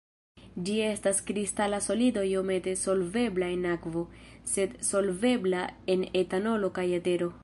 Ĝi estas kristala solido iomete solvebla en akvo, sed solvebla en etanolo kaj etero.